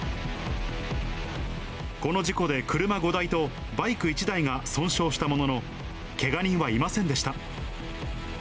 この事故で、車５台とバイク１台が損傷したものの、けが人はいませんでした。